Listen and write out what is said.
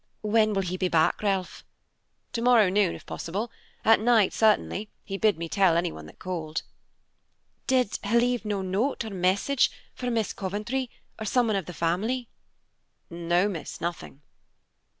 "When will he be back, Ralph?" "Tomorrow noon, if possible; at night, certainly, he bid me tell anyone that called." "Did he leave no note or message for Miss Coventry, or someone of the family?" "No, miss, nothing."